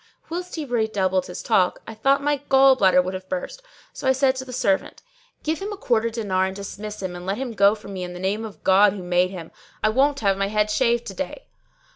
Whilst he redoubled his talk, I thought my gall bladder would have burst; so I said to the servant, "Give him a quarter dinar and dismiss him and let him go from me in the name of God who made him. I won't have my head shaved to day."